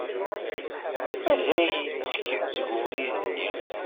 Mazal yettekk seg ubrid-nni?